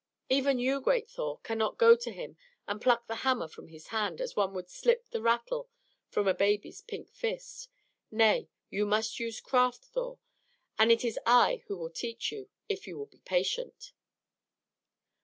Even you, great Thor, cannot go to him and pluck the hammer from his hand as one would slip the rattle from a baby's pink fist. Nay, you must use craft, Thor; and it is I who will teach you, if you will be patient."